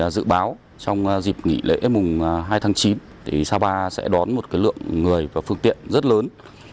dự báo trong dịp nghỉ lễ mùng hai tháng chín sapa sẽ đón một lượng người và phương tiện rất lớn